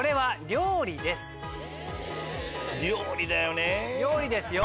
料理ですよ。